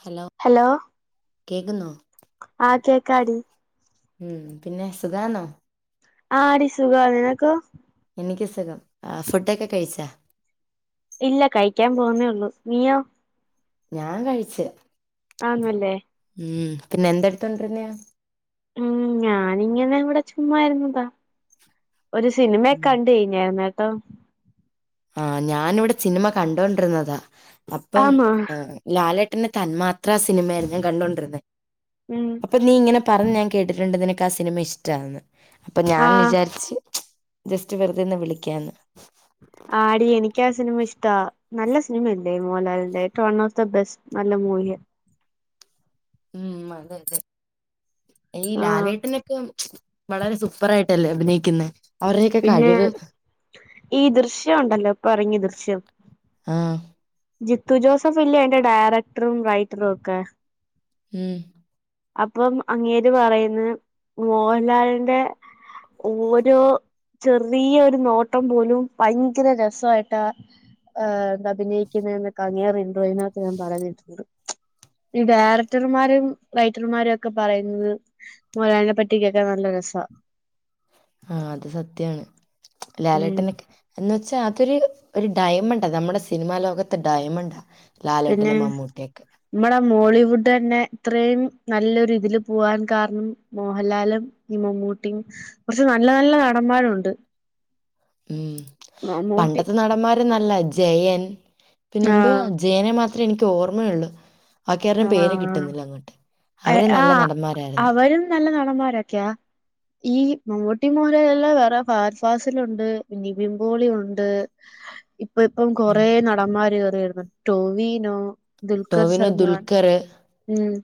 Hello കേക്കുന്നോ ആഹ് കേക്കാടി ഉം പിന്നെ സുഖാണോ ആഹ് എടി സുഖവാ നിനക്കോ എനിക്ക് സുഖം ആഹ് ഫുഡൊക്കെ കഴിച്ചാ ഇല്ല കഴിക്കാൻ പോവുന്നേള്ളൂ നീയോ ഞാൻ കഴിച്ച് ആന്നല്ലേ ഉം പിന്നെ എന്തെടുത്തോണ്ടിരുന്നെയ ഉം ഞാനിങ്ങനെ ഇവിടെ ചുമ്മായിരുന്നതാ ഒരു സിനിമയൊക്കെ ഉം. കണ്ട് കഴിഞ്ഞായിരുന്നേട്ടോ ആഹ് ഞാനിവിടെ സിനിമ കണ്ടോണ്ടിരുന്നതാ അപ്പം ആന്നോ ഈഹ് ലാലേട്ടന്റെ തന്മാത്രാ സിനിമയായിരുന്നു ഞാൻ കണ്ടുകൊണ്ടിരുന്നെ ഉം അപ്പൊ നീ ഇങ്ങനെ പറഞ്ഞ് ഞാൻ കേട്ടിട്ടുണ്ട് നിനക്ക് ആ സിനിമ ഇഷ്ടാന്ന് അപ്പൊ ഞാൻ ആ വിചാരിച്ച് ജസ്റ്റ്‌ വെറുതെ ഒന്ന് വിളിക്കാന്ന് ആടി എനിക്ക് ആ സിനിമ ഇഷ്ടാ നല്ല സിനിമയല്ലേ മോഹൻലാലിന്റെ it one of the best നല്ല മൂവിയ ഉം അതെ അതെ ഏയ് ആ ലാലേട്ടനൊക്കെ വളരെ സൂപ്പർ ആയിട്ടല്ലേ അഭിനയിക്കുന്നെ അവരുടെയൊക്കെ പിന്നെ കഴിവ് ഈ ദൃശ്യം ഒണ്ടല്ലോ ഇപ്പൊ ഇറങ്ങിയ ദൃശ്യം ആഹ് ജിത്തു ജോസഫ് ഇല്ലേ അതിന്റെ ഡയറക്ടറും റൈറ്ററും ഒക്കെ ഉം അപ്പം അങ്ങേര് പറയുന്നത് മോഹൻലാലിന്റെ ഓരോ ചെറിയ ഒരു നോട്ടം പോലും ഭയങ്കര രസവായിട്ടാ ഏഹ് അഭിനയിക്കുന്നെ എന്നൊക്കെ അങ്ങേര് ഇൻറോയിനകത്ത് ഞാൻ പറയുന്ന കേട്ടിട്ടുണ്ട് ഈ ഡേറക്ടർമാരും റൈറ്റർമാരും ഒക്കെ പറയുന്നത് മോഹൻലാലിനെ പറ്റി കേൾക്കാൻ നല്ല രസാ ആഹ് അത് സത്യാണ് ഉം ലാലേട്ടനൊക്കെ എന്ന് വെച്ചാ അതൊരു ഒരു ഡയമണ്ടാ നമ്മുടെ സിനിമാ ലോകത്തെ ഡയമണ്ടാ ലാലേട്ടനും മമ്മൂട്ടിയൊക്കെ മ്മടെ മോളിവുഡ് തന്നെ ഇത്രയും നല്ലൊരു ഇതില് പോവാൻ കാരണം മോഹൻലാലും ഈ മമ്മൂട്ടിയും കുറച്ച് നല്ല നല്ല നടന്മാരുണ്ട് ഉം മമ്മൂട്ടി പണ്ടത്തെ നടന്മാരും നല്ലതാ ജയൻ പിന്നെന്തുവാ ആഹ് ജയനെ മാത്രമേ എനിക്ക് ഓർമ്മയൊള്ളൂ ബാക്കിയാരുടെം പേര് ആഹ് കിട്ടുന്നില്ല അങ്ങോട്ട് അവരും നല്ല ആഹ് നടന്മാരാരുന്നു [unintelligible] നല്ല നടന്മാരൊക്കെയാ ഈ മമ്മൂട്ടിം മോഹൻലാലും അല്ലാതെ വേറെ ഫഹദ് ഫാസിലൊണ്ട് നിവിൻ പോളി ഒണ്ട് ഇപ്പ ഇപ്പം ഉം കൊറേ നടന്മാര് കേറി വരുന്നൊണ്ട് ടോവിനോ ദുൽഖർ സൽമാൻ ഖറ് ഉം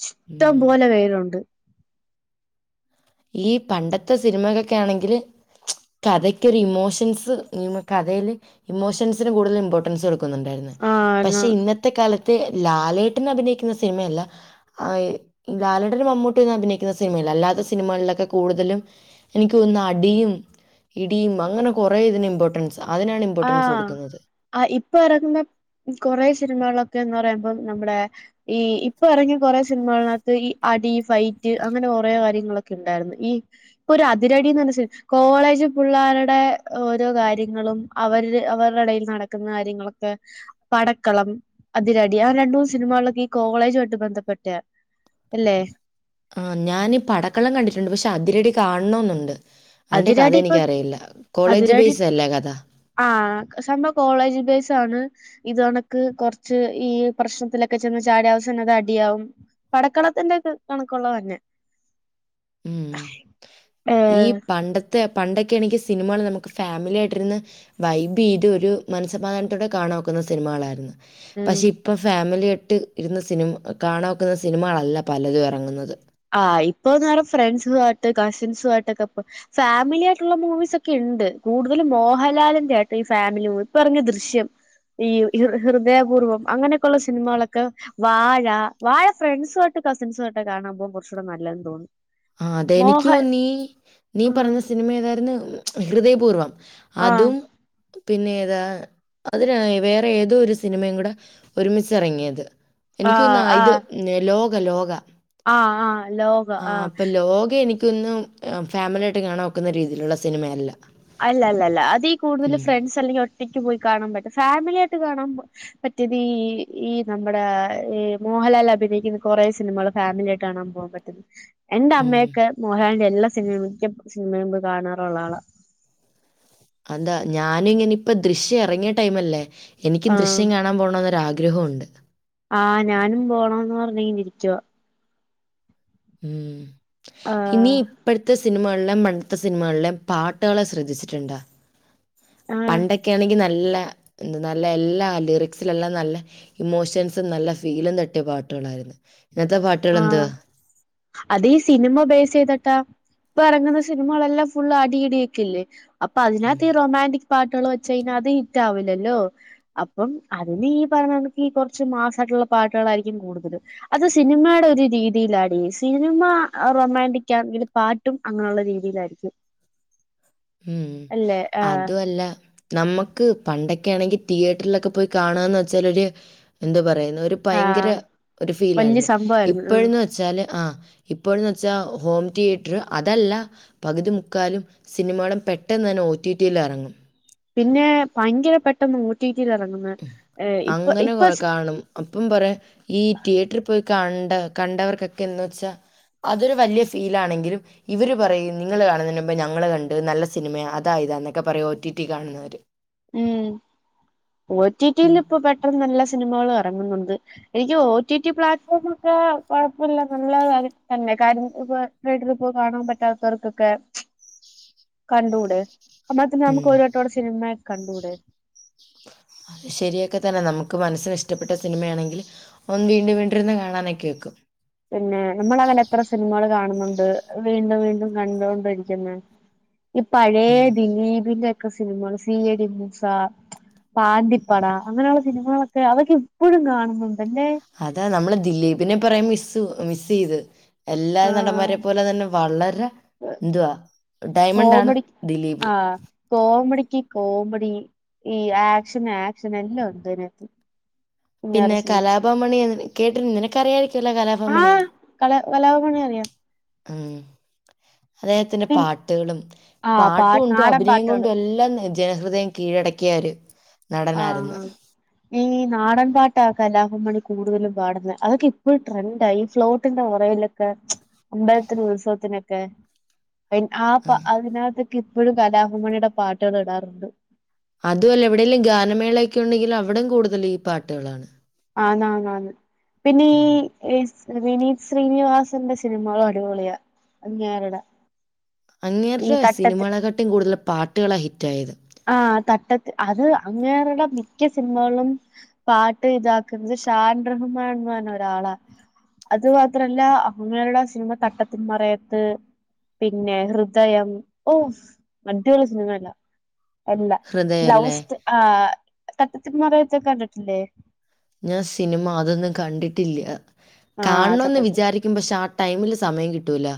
ഇഷ്ടം പോലെ പേരൊണ്ട് ഈ പണ്ടത്തെ സിനിമകൊക്കെ ആണെങ്കില് കഥയ്ക്കൊര് ഇമോഷൻസ് ഈമ് കഥയില് ഇമോഷൻസിന് കൂടുതല് ഇമ്പോട്ടൻസ് കൊടു ക്കുന്നുണ്ടാര്ന്ന് ആഹ് ന്നാ പക്ഷെ ഇന്നത്തെ കാലത്ത് ലാലേട്ടൻ അഭിനയിക്കുന്ന സിനിമയല്ല ആഹ് എ ലാലേട്ടനും മമ്മൂട്ടിയും ഒന്നും അഭിനയിക്കുന്ന സിനിമയില്ല അല്ലാത സിനിമകളിലൊക്കെ കൂടുതലും എനിക്ക് തോന്നുന്നു അടിയും ഇടിയും അങ്ങനെ കൊറേ ഇതിന് ഇമ്പോട്ടൻസ് അതിനാണ് ഇമ്പോട്ടൻസ് കൊടുക്കുന്നത് ആ ഇപ്പം എറങ്ങുന്ന കൊറേ സിനിമകളൊക്കെന്ന് പറയുമ്പോ നമ്മ്ടെ ഈ ഇപ്പൊ എറങ്ങിയ കൊറേ സിനിമകൾനകത്ത് ഈ അടി ഫൈറ്റ് അങ്ങനെ കൊറേ കാര്യങ്ങളൊക്കെ ഇണ്ടായിരുന്നു ഈ ഇപ്പൊ ഒരു അതിരടീന്ന് പറഞ്ഞ സിന് കോളേജ് പിള്ളേരുടെ ഓരോ കാര്യങ്ങളും അവരില് അവരുടെ എടയിൽ നടക്കുന്ന കാര്യങ്ങളൊക്കെ പടക്കളം അതിരടി ആ രണ്ടൂന്ന് സിനിമകളിലൊക്കെ ഈ കോളേജുമായിട്ട് ബന്ധപ്പെട്ടയാ അല്ലേ ആഹ് ഞാനീ പടക്കളം കണ്ടിട്ടുണ്ട് പക്ഷെ അതിരടി കാണണോന്നൊണ്ട് അതിന്റെ കഥ അതിരടി ഇപ്പൊ എനിക്കറിയില്ല കോളേജ് അതിരടി ബേയ്സ് അല്ലേ കഥ ആഹ് സംഭവം കോളേജ് ബേസ് ആണ് ഇത് പോണക്ക് കൊറച്ച് ഈ പ്രശ്നത്തിലൊക്കെ ചെന്ന് ചാടി അവസാനം അത് അടി ആവും പടക്കളത്തിന്റെ ക് കണക്കൊള്ളത് തന്നെ ഉം ഈ ഏഹ് പണ്ടത്തെ ത്തെ പണ്ടൊക്കെ ആണെങ്കി സിനിമകള് നമ്മ്ക്ക് ഫാമിലിയായിട്ടിരിന്ന് വൈബെയ്ത് ഒരു മനസ്സമാധാനത്തോടെ കാണാ ഒക്കുന്ന സിനിമകളാര്ന്ന് ഉം പക്ഷെ ഇപ്പം ഫാമിലിയാട്ട് ഇരുന്ന് സിനിമ കാണാ ഒക്കുന്ന സിനിമകളല്ല പലതും എറങ്ങുന്നത് ആഹ് ഇപ്പൊന്ന്പറ ഫ്രണ്ട്സു ആയിട്ട് കസിൻസു ആയിട്ടൊക്കെ പൊ ഫാമിലി ആയിട്ടുള്ള മൂവീസ് ഒക്കെ ഇണ്ട് കൂടുതലും മോഹൻലാലിൻ്റെ ആ കേട്ടോ ഈ ഫാമിലി മൂവി ഇപ്പ എറങ്ങിയ ദൃശ്യം ഈ ഹൃ ഹൃദയപൂർവം അങ്ങനെ ക്ക ഒള്ള സിനിമകളൊക്ക വാഴ വാഴ ഫ്രണ്ട്സു ആയ്ട്ട് കസിൻസുമായിട്ട് കാണാൻ പോവാൻ കൊറ് ച്ചൂടെ നല്ലതെന്ന് തോന്നുന്നു ആഹ് അതെനിക്കു മോഹൻ തോന്നി നീ ഉം പറഞ്ഞ സിനിമ ഏതായിരുന്നു ഹൃദയപൂർവം ആഹ് അതും പിന്നെ ഏതാ അതിനാ വേറെ ഏതോ ഒരു സിനിമയും കൂടെ ഒരുമിച്ചെറങ്ങിയത് എനിക്ക് തോന്ന്ന്ന് ആഹ് ഇത് മ് നേ ലോക ലോക ആഹ് ആഹ് ലോക ആ ആഹ് അപ്പൊ ലോക എനിക്കോന്നുന്നു ആഹ് ഫാമിലിയായിട്ട് കാണാൻ ഒക്കുന്ന രീതീലൊള്ള സിനിമയല്ല അല്ല അല്ല അല്ല അതീ കൂടുതല് ഉം. ഫ്രണ്ട്സ് അല്ലെങ്കി ഒറ്റയ്ക്ക് പോയി കാണാൻ പറ്റും ഫാമിലിയായ്ട്ട് കാണാൻ പ മറ്റെത് ഈ ഈ നമ്മടെ ഈ മോഹൻലാൽ അഭിനയിക്കുന്ന കൊറേ സിനിമകള് ഫാമിലി ആയിട്ട് കാണാൻ പോകാൻ പറ്റും എന്റെ ഉം. അമ്മയൊക്കെ മോഹലാലിന്റെ എല്ലാ സിനിമ മിക്ക സിനിമേം പോയ് കാണാറൊള്ള ആളാ അതാ ഞാനും ഇങ്ങനെ ഇപ്പ ദൃശ്യം എറങ്ങിയ ടൈമല്ലേ എനിക്കും ആഹ് ദൃശ്യം കാണാൻ പോണോന്നൊര് ആഗ്രഹ ഒണ്ട് ആഹ് ഞാനും പോണോന്ന് പറഞ്ഞ്ങ്ങന ഇരിക്കുവാ ഉം ഇനി ആഹ് ഇപ്പഴത്തെ സ് നിമകളിലേം പണ്ടത്തെ സിനിമകളിലേം പാട്ടുകളെ ശ്രദ്ധിച്ചിട്ടുണ്ടാ ആഹ് പണ്ടക്കെ ആണെങ്കി നല്ല എന്ത് നല്ല എല്ലാ ലിറിക്സിലെല്ലാം നല്ല ഇമോഷൻസും നല്ല ഫീലും തട്ടിയ പാട്ടുകളാര്ന്ന് ഇന്നത്തെ പാട്ടുകള് ആഹ് എന്തുവാ അത് ഈ സിനിമ ബേസ് ചെയ്ത്ട്ടാ ഇപ്പ എറങ്ങുന്ന സിനിമകളെല്ലാം ഫുള്ള് അടി ഇടിയെക്കല്ലേ അപ്പ ഉം. അതിനകത്ത് ഈ റൊമാന്റിക് പാട്ടുകള് വെച്ച് കഴിഞ്ഞാ അത് ഹിറ്റ് ആവില്ലല്ലോ അപ്പം അതിന് ഈ പറഞ്ഞ കണക്ക് ഈ കൊറച്ച് മാസായിട്ടുള്ള പാട്ടുകളായിരിക്കും കൂടുതലും അത് സിനിമ ടെ ഒര് രീതിയിലാടീ സിനിമ റൊമാൻറിക്കാണെങ്കില് പാട്ടും അങ്ങനെ ഒള്ള രീതിയിലായിരിക്കും ഉം അല്ലേ ആഹ് അതു അല്ല നമ്മക്ക് പണ്ടെക്കെ ആണെങ്കി തിയേറ്ററിലൊക്കെ പോയി കാണാന്ന് വെച്ചാല് ഒര് എന്തോ പറയുന്ന ഒര് ഭയങ്കര ആഹ് ഒരു ഫീല വല്യ ആരുന്നു സംഭവായിരുന്നു ആഹ് ഇപ്പോഴന്ന് വ വച്ചാല് ആ ഇപ്പോഴെന്നുച്ചാ ഹോം തിയറ്റർ അതല്ല പകുതി മുക്കാലും സിനിമകളം പെട്ടെന്ന് തന്നെ ഒ ടി ടി യിൽ എറങ്ങും പിന്നെ ഭയങ്കര പെട്ടെന്ന് ഒടിടി ലെറങ്ങുന്നെ ഉം. ഏഹ് ഇപ്പൊ അങ്ങനെ ഇപ്പൊ കൊ കാണും. അപ്പം പറെ ഈ തിയേറ്ററി പോയി കണ്ട കണ്ടവർക്കൊക്കെ എന്ന് വച്ചാ അതൊരു വലിയ ഫീലാണെങ്കിലും ഇവര് പറയും നിങ്ങള് കാണുന്നേനുമ്പേ ഞങ്ങള് കണ്ട് നല്ല സിനിമയാ അതായിതാന്നൊക്കെ പറയും ഒ ടി ടി കാണുന്നവര് ഉം ഒ ഉം. ടിടിയിലിപ്പം പെട്ടെന്ന് എല്ലാ സിനിമകളും എറങ്ങുന്നുണ്ട് എനിക്ക് ഒ ടി ടി പ്ലാറ്റ്ഫോമ ഒക്കെ കൊഴപ്പില്ല നല്ല കാര്യം തന്നെ കാര്യം ഇപ്പ വീട്ടിൽ പോയി കാണാൻ പറ്റാത്തവർക്കൊക്കെ [inaudible] കണ്ടൂടെ അന്നാ പിന്നെ നമുക്ക് ഉം ഒരുവട്ടോടെ സിനിമ കണ്ടൂടെ അത് ശരിയൊക്കെ തന്നെ നമുക്ക് മനസ്സിന് ഇഷ്ടപ്പെട്ട സിനിമയാണെങ്കി ഒന്ന് വീണ്ടും വീണ്ടിരുന്ന് കാണാനൊക്കെ ഒക്കും പിന്നെ നമ്മളങ്ങനെ എത്ര സിനിമകള് കാണുന്നൊണ്ട് വീണ്ടും വീണ്ടും കണ്ടൊണ്ടിരിക്കുന്ന [inaudible] ഈ പഴയ ഉം ദിലീപിന്റെക്കെ സിനിമകള് C I D Moosa Pandippada അങ്ങനെയുള്ള സിനിമകളൊക്കെ അതൊക്കെ ഇപ്പഴും കാണുന്നുണ്ട്ല്ലെ അതാ നമ്മള് ദിലീപിനെ കൊറേ മിസ് മിസ് ചെയ്ത് എല്ലാ ആ നടന്മാരെ പോലെ തന്നെ വളരെ എന്തുവാ ഡയമണ്ട് ആണ് കോമഡി ദിലീപ് ആഹ് കോമഡിക്ക് കോമഡി ഈ ആക്ഷന് ആക്ഷൻ എല്ലാം ഉണ്ട് അയിനാത്ത് പിന്നെ കലാഭമണി കേട്ടി നിനക്കറിയായിരിക്കുവല്ലോ കലാഭമണി ആഹ് കല കലാഭവൻമണി അറിയാം ഉം അദ്ദേഹത്തിന്റെ പിൻ പാട്ട്കളും ആഹ് പാ പാട്ട്ണ്ടും നാടൻ അഭിനയം പാട്ടുകള് കൊണ്ടും എല്ലാം ജനഹൃദയം കീഴടക്കിയാരു ആഹ് ഈ നാടൻ പാട്ട കലാഭവൻ മണി കൂടുതലും പാടുന്നെ അതൊക്കെ ഇപ്പോഴും ട്രെൻഡായി ഈ ഫ്ലോട്ടിന്റെ ഒറൽ [unintelligible] അമ്പത്തിലെ ഉണ്ടവസത്തിനൊക്കെ ആ ഉം. അതിനകത്ത് ഇപ്പോഴും കലാഭവമണിയുടെ പാട്ടുകൾ ഇടാറുണ്ട് അതോല്ല എവിടെങ്കലും ഗാനമേളക്കെ ഉണ്ടെങ്കിൽ അവിടം കൂടുതൽ ഈ പാട്ടുകളാണ് ആണ് ആണ് ആണ്പിന്നെ ഉം വിനീത് ശ്രീനിവാസന്റെ സിനിമകള് അടിപൊളിയ നാരുട അങ്ങേരുടെ സിനിമകളെക്കാട്ടും കൂടുതലും പാട്ടുകളാണ് ഹിറ്റായത് ആ തട്ട അത് അങ്ങേരുടെ മിക്ക സിനിമകളും പാട്ട് ഇതാക്കുന്നത് ഷാൻ റഹ്മാൻ പറഞ്ഞ ഒരാളാ അത് മാത്രല്ല അങ്ങേരുടെ സിനിമ തട്ടത്തിന്മറയത്ത് പിന്നെ ഹൃദയം ഓ മറ്റൊരു സിനിമ അല്ല എല്ല ഹൃദയല്ലേ? ലൗസ് ആ് തട്ടത്തി മറയത്തെക്കെ കണ്ടിട്ടില്ലേ ഞാൻ സിനിമ അതൊന്നും കണ്ടിട്ടില്ല ആ കാണണന്ന് തട്ടത്ത് വിചാരിക്ക പക്ഷെ ആ ടൈമില് സമയം കിട്ടൂല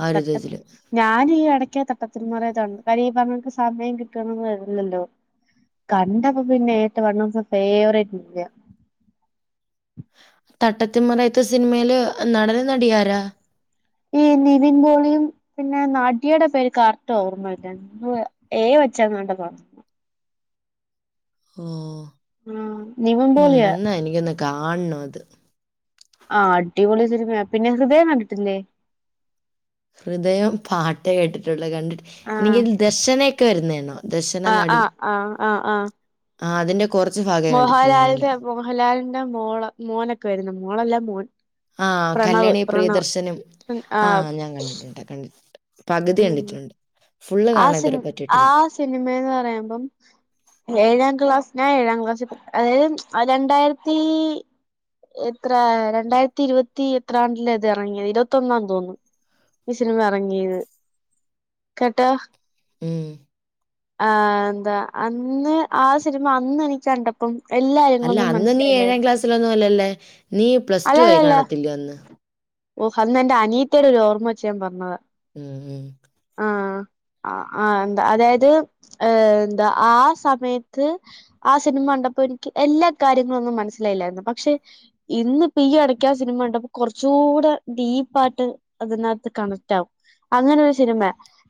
ആ ഒരു തട്ട ഇതില്. ഞാനൻ ഈ എടയ്ക്ക തട്ടത്തിന് മറയ ത്ത് കാര്യ ഈ പറഞ്ഞക്ക് സമയം കിട്ടണന്ന്ല്ലല്ലോ കണ്ടപ്പോ പിന്നെ [unintelligible] ഫേവറേറ്റ് ഇല്ല്യാ തട്ടത്തിമറയത്ത് സിനിമയില് നടനും നടിയാരാ ഈ നിവിൻ പോളിയും പിന്നെ നാട്ടി യയുടെ പേര് കറട്ട് ഓർമ്മല്ലാണ്ട് ഏ വച്ചാങ്ങാണ്ടാതോണ് ഓ ആഹ് നിവിൻ ഉം പോളിയാ ഇന്നാ എനിക്കൊന്ന് കാണണത് ആഹ്അടിപൊളി സിനിമേ പിന്നെ ഹൃദയം കണ്ടിട്ടില്ലേ ഹൃദയം പാട്ടേകേട്ടിട്ടുള്ളു കണ്ടി ആഹ് [unintelligible] ദശനൊക്കെ വരുന്നതണോ ദശന ആഹ് നടി ആഹ് ആഹ് ആഹ് ആഹ് ആഹ് അതിന്റെ കുറച്ച് ഭാഗമേ കണ്ടിട്ടുള്ളൂ ഞാന്. മോഹൻലാലിന്റെ മോഹൻലാലിന്റെ മോള് മോനൊക്കെ വരുന്നു മോളല്ല മോൻ ആ പ്രണവ് കല്യാണി പ്രണവ് പ്രിയദർശനും ആഹ് ഞാൻ കണ്ടിട്ടുണ്ട് കണ്ടിട്ടുണ്ട് പകുതി ഉം കണ്ടിട്ടുണ്ട് ഫുള്ള് കാണാന് ഇതുവരെ പറ്റിയിട്ടില്ല സിനിമെന്ന് പറയുമ്പോ ഏഴാം ക്ലാസ് ഞാൻ ഏഴാം ക്ലാസ് അതായത് രണ്ടായിരത്തി എത്ര രണ്ടായിരത്തി ഇരുപത്തി എത്രാണ്ടില അത് ഇറങ്ങിയത് ഇരുപത്തൊന്നാ തോന്നുന്നു ഈ സിനിമ അറങ്ങീത് ട്ടാ ഉം ആഹ് ന്താ അന്ന് ആ സിനിമ അന്ന് എനിക്ക് കണ്ടം ഇപ്പം അല്ല എല്ലായെങ്ങങ്ങും അന്ന് നീ മനസ്സിലായില്ല [unintelligible] അല്ലല്ലേ നീ പ്ലസ് ടു ആയി കാണത്തില്ലേ അന്ന് ഓ അന്ന് എന്റെ അനീത്തിയുടെ ഒരു ഓർമ്മ വച്ചു പറഞ്ഞത ഉം ഉം ആഹ് ആഹ് ആഹ് എന്താ അതായത് ആഹ് സമയത്ത് ആഹ് സിനിമ കണ്ടപ്പോ എനിക്ക് എല്ലാ കാര്യങ്ങളും ഒന്നും മനസ്സിലായില്ലാ പക്ഷെ ഇന്ന് ഇപ്പ ഈ എടക്കാ സിനിമ കണ്ടപ്പൊ കൊറച്ച് ദൂട ഡീപ്പാട്ട് അതിനകത്ത് കണക്ട് ആകും അങ്ങനെ ഒരു സിനിമ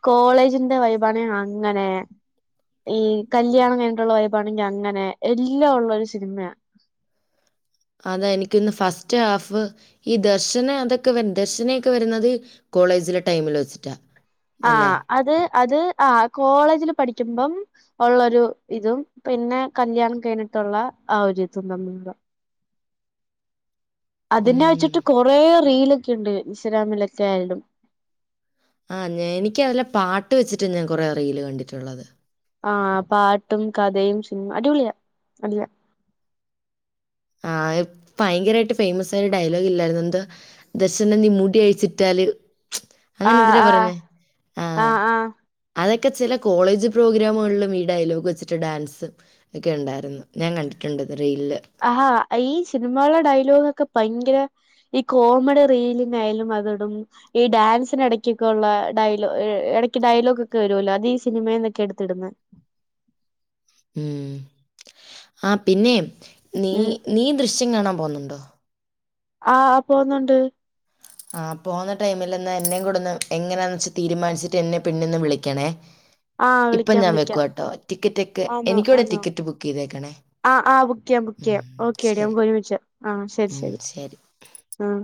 കോളേജിന്റെ വൈബാണെൽ അങ്ങനെ ഈ കല്യാണം കഴിഞ്ഞട്ടുള്ള വൈബാണെങ്കിൽ അങ്ങനെ എല്ലാം ഉള്ള ഒരു സിനിമ അതാ എനിക്കിന്ന് ഫസ്റ്റ് ഹാഫ് ഈ ദർശനം അതൊക്കെ വ ദർശനൊക്കെ വരുന്നത് കോളേജിലെ ടൈമില് വെച്ചിട്ടാ അല്ലേ? ആഹ് അത് അത് ആഹ് കോളേജില് പഠിക്കുമ്പം ഉള്ളൊരു ഇതും പിന്നെ കല്യാണം കഴിഞ്ഞിട്ടുള്ള ആഹ് ഒരു ഇതും തമ്മിലുള്ള അതിനെ ഉം. വെച്ചിട്ട് കുറെ റീലൊക്കെ ഉണ്ട് ഇൻശരാമിലൊക്ക ആലും ആഹ് എനിക്ക് അതിലെ പാട്ട് വെച്ചിട്ട് ഞാൻ കുറെ റീൽ കണ്ടിട്ടുള്ളത് ആഹ് പാട്ടും കഥയും സിനിമ അടിപൊളിയ അടിയ ആഹ് ഭയങ്കരായിട്ട് ഫേമസ് ഡയലോഗ് ഇല്ലായിരുന്നോ എന്ത് ദർശന നീ മുടി അഴിച്ചിട്ടാല് ആ അങ്ങനെ എന്തിനാ ആ പറയുന്നെ ആ ആഹ് ആ അതൊക്കെ ചില കോളേജ് പ്രോഗ്രാമുകളിലും ഈ ഡയലോഗ് വെച്ചിട്ട് ഡാൻസ് ഒക്കെ ഉണ്ടായിരുന്നു ഞാൻ കണ്ടിട്ടുണ്ട് ഇത്‌ റീലില് ആഹാ ഈ സിനിമകള ഡയലോഗ് ഒക്കെ ഭയങ്കര ഈ കോമഡി റീലിങ്ങ യാലും അത്ടും ഈ ഡാൻസിന് ഇടയ്ക്കൊക്കെ ഉള്ള ഡയലോഗ് ഇടയ്ക്ക് ഡയലോഗ് ഒക്കെ വരുമല്ലോ അത് ഈ സിനിമയിന്നാ എടുത്തിടുന്നെ ഉം ആഹ് പിന്നെ നീ ഉം നീ ദൃശ്യം കാണാൻ പോന്നുണ്ടോ ആഹ് പോന്നുണ്ട് ആഹ് പോകുന്ന ടൈമിൽ എന്നെയും കൂടെ ഒന്ന് എങ്ങനാന്ന് വെച്ച തീരുമാനിച്ചിട്ട് എന്നെ പിന്നിൽന്ന് ഒന്ന് വിളിക്കണേ ആ ഇപ്പൊ വിളിക്കാം ഞാൻ വിളിക്കാം വെക്കട്ടോ ടിക്കറ്റ് ഒക്കെ എനിക്കൂടെ ടിക്കറ്റ് ബുക്ക് ചെയ്തേക്കണേ ആഹ് ആഹ് ബുക്ക് ചെയ്യാം ബുക്ക് ഉം, ചെയ്യാം ഓക്കെ ടി ശരി നമക്ക് ഒരുമിച്ച് ആഹ്ശരി ശരി ആഹ്